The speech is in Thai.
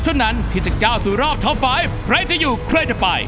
ขอพี่กูก่อนเลยดีกว่า